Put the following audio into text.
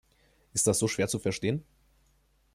Ist das so schwer zu verstehen?